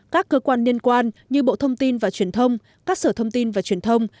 các cơ quan liên quan như bộ thông tin và truyền thông các sở thông tin và truyền thông